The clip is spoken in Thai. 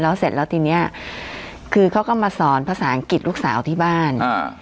แล้วเสร็จแล้วทีเนี้ยคือเขาก็มาสอนภาษาอังกฤษลูกสาวที่บ้านอ่า